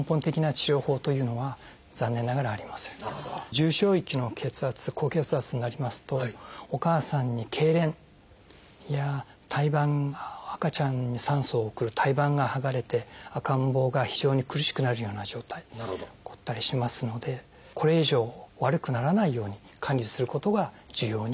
重症域の高血圧になりますとお母さんにけいれんや赤ちゃんに酸素を送る胎盤がはがれて赤ん坊が非常に苦しくなるような状態起こったりしますのでこれ以上悪くならないように管理することが重要になってきます。